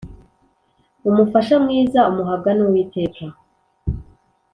Umufasha mwiza umuhabwa n’uwiteka